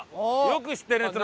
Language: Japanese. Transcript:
よく知ってるね。